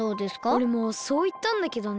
おれもそういったんだけどね。